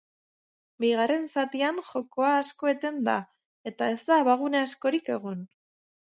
Bigarren zatian jokoa asko eten da, eta ez da abagune askorik egon.